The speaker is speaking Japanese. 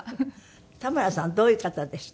田村さんどういう方でした？